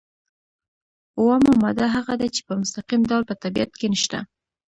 اومه ماده هغه ده چې په مستقیم ډول په طبیعت کې نشته.